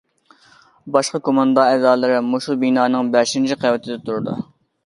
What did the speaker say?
باشقا كوماندا ئەزالىرى مۇشۇ بىنانىڭ بەشىنچى قەۋىتىدە تۇرىدۇ.